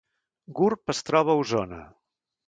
Gurb es troba a Osona